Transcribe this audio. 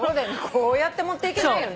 こうやって持っていけないよね。